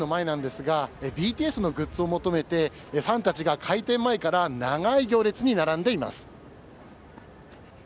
釜山市内の百貨店の前なんですがＢＴＳのグッズを求めてファンたちが開店前から長い行列に並んでいます。